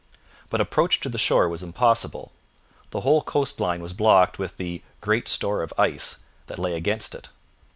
But approach to the shore was impossible. The whole coastline was blocked with the 'great store of ice' that lay against it.